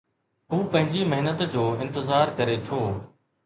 هو پنهنجي محنت جو انتظار ڪري ٿو